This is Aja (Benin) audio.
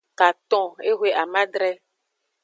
Katon ehwe amadre.